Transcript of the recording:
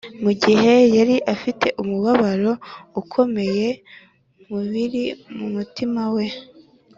mu gihe yari afite umubabaro ukomeye mu mubiri no mu mutima we